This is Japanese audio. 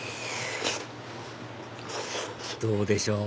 どうでしょう？